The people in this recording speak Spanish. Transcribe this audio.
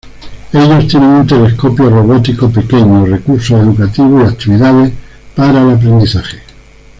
Ellos tienen un telescopio robótico pequeño, recursos educativos y actividades para el aprendizaje.